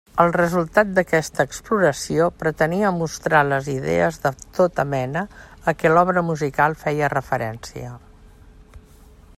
El resultat d'aquesta exploració pretenia mostrar les idees de tota mena a què l'obra musical feia referència.